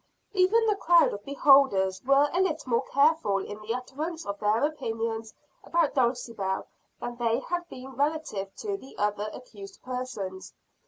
Even the crowd of beholders were a little more careful in the utterance of their opinions about Dulcibel than they had been relative to the other accused persons.